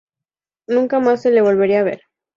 Nunca más se le volvería a ver.